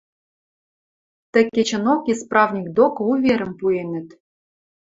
Тӹ кечӹнок исправник докы уверӹм пуэнӹт.